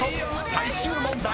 ［最終問題］